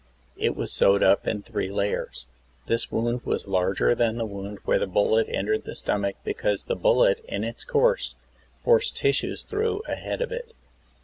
It was sewed up in three layers. This wound was larger than the wound where the bullet entered the stomach, because the bullet, in its course, forced tissues through ahead of it.